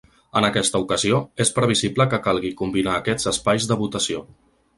En aquesta ocasió, és previsible que calgui combinar aquests espais de votació.